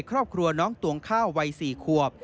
ครอบครัวน้องตวงข้าววัย๔ขวบ